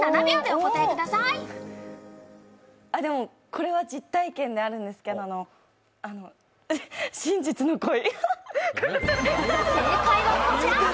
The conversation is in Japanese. これは実体験であるんですけど、真実の恋。